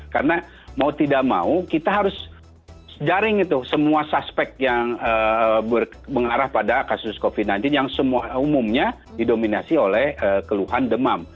karena mau tidak mau kita harus jaring itu semua suspek yang berpengarah pada kasus covid sembilan belas yang semua umumnya didominasi oleh keluhan demam